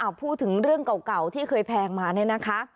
อ่ะพูดถึงเรื่องเก่าที่เคยแพงมานะคะ